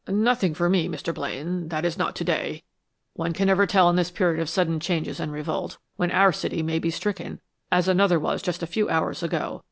"Nothing for me, Mr. Blaine that is, not to day. One can never tell in this period of sudden changes and revolt, when our city may be stricken as another was just a few hours ago.